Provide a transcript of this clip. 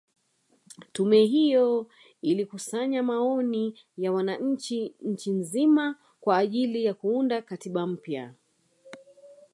Tume hiyo ilikusanya maoni ya wananchi nchi nzima kwa ajili ya kuunda katiba mpya